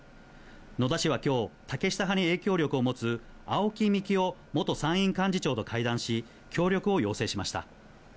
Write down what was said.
野田氏はきょう、竹下派に影響力を持つ青木幹雄元参院幹事長と会談し、協力を要請しました。